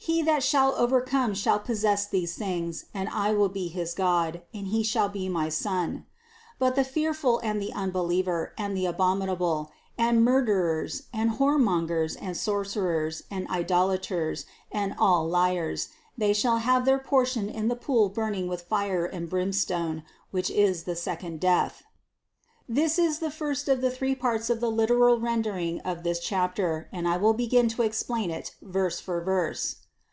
7. He that shall overcome shall possess these things and I will be his God ; and he shall be my Son. 8. But the fearful and the unbeliever and the abom inable, and murderers, and whoremongers, and sorcer ers and idolaters, and all liars, they shall have their portion in the pool burning with fire and brimstone, which is the second death." 246. This is the first of the three parts of the literal rendering of this chapter and I will begin to explain it verse for verse.